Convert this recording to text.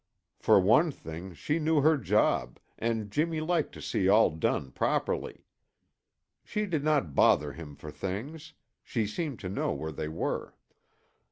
For one thing, she knew her job, and Jimmy liked to see all done properly. She did not bother him for things; she seemed to know where they were.